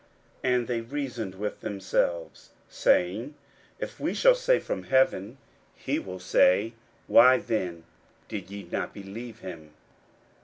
41:011:031 And they reasoned with themselves, saying, If we shall say, From heaven; he will say, Why then did ye not believe him?